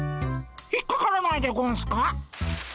引っかからないでゴンスか？